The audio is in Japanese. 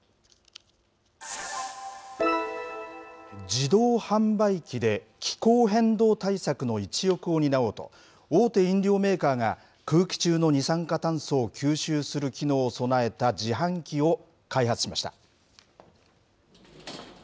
自動販売機で気候変動対策の一翼を担おうと、大手飲料メーカーが空気中の二酸化炭素を吸収する機能を備えた自販機を開発しました。